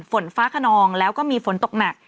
ฝนฟ้าขนองแล้วก็มีฝนตกหนัก